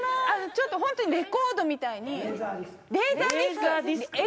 ちょっとホントにレコードみたいにレーザーディスク！